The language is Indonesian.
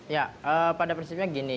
ya pada prinsipnya gini